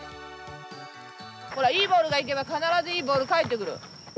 ほらいいボールが行けば必ずいいボール返ってくる。